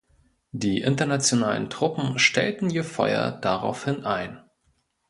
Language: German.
Die internationalen Truppen stellten ihr Feuer daraufhin ein.